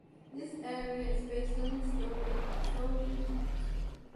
This area is based on the story of the Trojan horse.